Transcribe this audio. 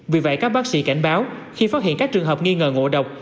vì vậy các bác sĩ cảnh báo khi phát hiện các trường hợp nghi ngờ ngộ độc